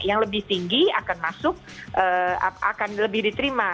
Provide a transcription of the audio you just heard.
yang lebih tinggi akan masuk akan lebih diterima